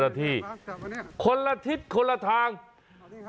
แบบนี้คือแบบนี้คือแบบนี้คือ